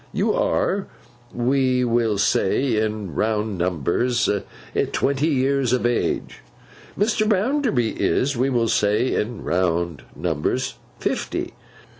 You are, we will say in round numbers, twenty years of age; Mr. Bounderby is, we will say in round numbers, fifty.